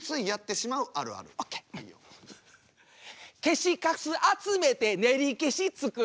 消しかす集めてねりけし作る。